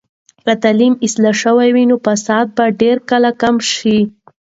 که تعلیم اصلاح شوي وي، نو فساد به ډیر کله کم شي.